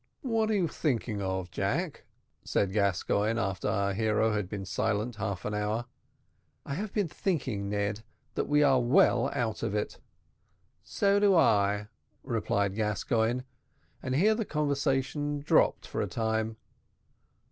"What are you thinking of, Jack?" said Gascoigne, after our hero had been silent half an hour. "I have been thinking, Ned, that we are well out of it." "So do I," replied Gascoigne; and here the conversation dropped for a time.